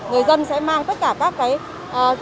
người dân sẽ mang tất cả các cái